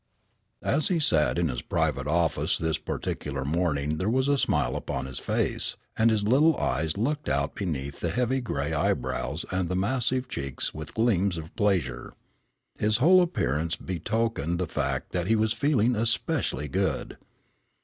As he sat in his private office this particular morning there was a smile upon his face, and his little eyes looked out beneath the heavy grey eyebrows and the massive cheeks with gleams of pleasure. His whole appearance betokened the fact that he was feeling especially good.